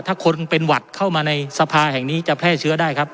ถ้าคนเป็นหวัดเข้ามาในสภาแห่งนี้จะแพร่เชื้อได้ครับ